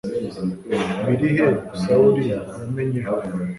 biri he sawuli yamenye ijwi